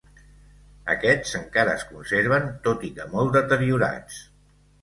Aquests encara es conserven, tot i que molt deteriorats.